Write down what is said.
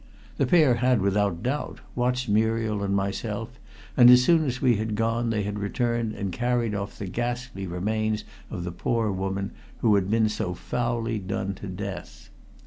The pair had, without doubt, watched Muriel and myself, and as soon as we had gone they had returned and carried off the ghastly remains of the poor woman who had been so foully done to death.